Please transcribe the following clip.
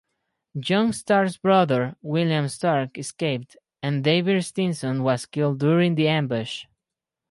John Stark's brother William Stark escaped, and David Stinson was killed during the ambush.